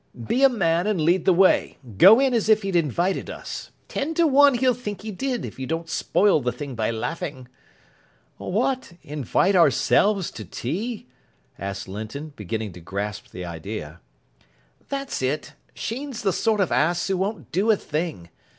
"Be a man, and lead the way. Go in as if he'd invited us. Ten to one he'll think he did, if you don't spoil the thing by laughing." "What, invite ourselves to tea?" asked Linton, beginning to grasp the idea. "That's it. Sheen's the sort of ass who won't do a thing.